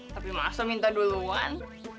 tapi masa minta duluan